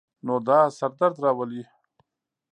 نو دا سر درد راولی